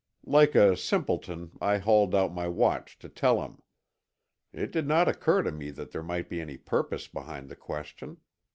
Like a simpleton I hauled out my watch to tell him. It did not occur to me that there might be any purpose behind the question.